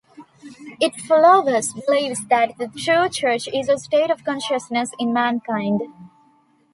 Its followers believe that the true "Church" is a "state of consciousness in mankind.